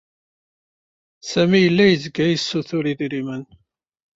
Sami yella yezga yessutur idrimen.